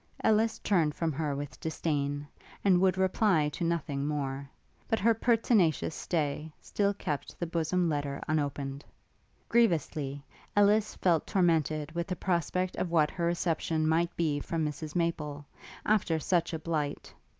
Ellis turned from her with disdain, and would reply to nothing more; but her pertinacious stay still kept the bosom letter unopened. Grievously Ellis felt tormented with the prospect of what her reception might be from Mrs Maple, after such a blight.